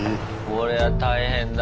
これは大変だ。